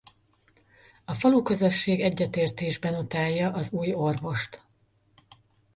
A faluközösség egyetértésben utálja az új orvost.